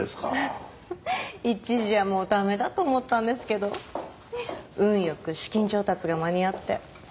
一時はもう駄目だと思ったんですけど運良く資金調達が間に合って。